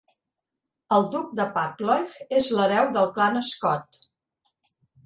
El duc de Buccleuch és l'hereu del clan Scott.